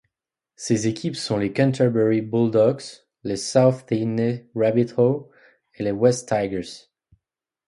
Ces équipes sont les Canterbury Bulldogs, les South Sydney Rabbitohs et les Wests Tigers.